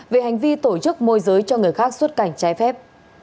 về hành vi tổ chức môi giới cho người khác xuất cảnh trái phép